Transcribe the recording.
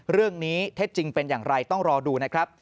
เรื่องนี้เท็จจริงเป็นอย่างไรต้องรอดูนะครับ